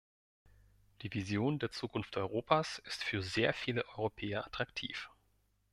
Die Vision der Zukunft Europas ist für sehr viele Europäer attraktiv.